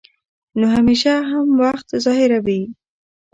نو همېشه هم وخت ظاهروي